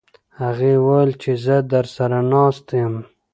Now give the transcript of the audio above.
هغې وویل چې زه درسره ناسته یم.